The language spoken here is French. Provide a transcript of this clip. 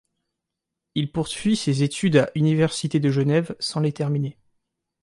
Il poursuit ses études à université de Genève sans les terminer.